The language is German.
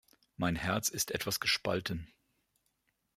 Mein Herz ist etwas gespalten.